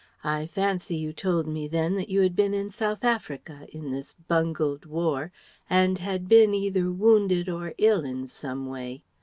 I fancy you told me then that you had been in South Africa, in this bungled war, and had been either wounded or ill in some way.